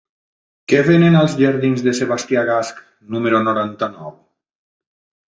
Què venen als jardins de Sebastià Gasch número noranta-nou?